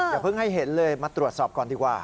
อย่าเพิ่งให้เห็นเลยมาตรวจสอบก่อนดีกว่า